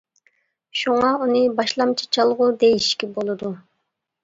شۇڭا ئۇنى باشلامچى چالغۇ دېيىشكە بولىدۇ.